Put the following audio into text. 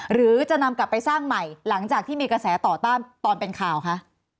หรือจะนำกลับไปสร้างใหม่หลังจากที่มีกระแสต่อต้านตอนเป็นข่าวคะ